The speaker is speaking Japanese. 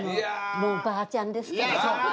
もうばあちゃんですから。